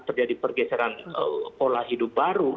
terjadi pergeseran pola hidup baru